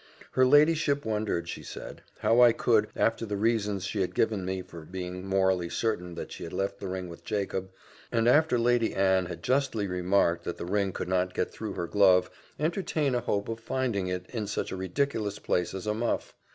Her ladyship wondered, she said, how I could, after the reasons she had given me for her being morally certain that she had left the ring with Jacob, and after Lady Anne had justly remarked that the ring could not get through her glove, entertain a hope of finding it in such a ridiculous place as a muff.